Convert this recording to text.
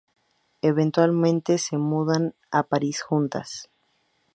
Eventualmente se mudan a París juntas.